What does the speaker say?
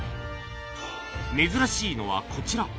珍しいのはこちら